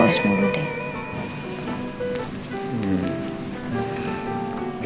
mas mulu deh